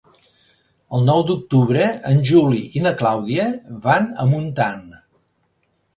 El nou d'octubre en Juli i na Clàudia van a Montant.